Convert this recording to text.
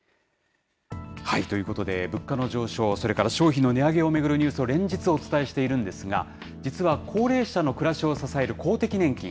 ということで、物価の上昇、それから商品の値上げを巡るニュースを連日、お伝えしているんですが、実は高齢者の暮らしを支える公的年金。